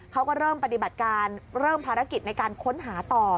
เขาก็เริ่มปฏิบัติการเริ่มภารกิจในการค้นหาต่อ